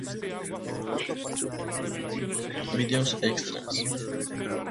Videos Extras